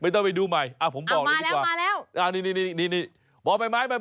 ไม่ต้องไปดูใหม่อ้าวผมบอกเลยดีกว่าอ้าวมาแล้วมาแล้ว